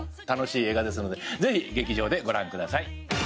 楽しい映画ですのでぜひ劇場でご覧ください。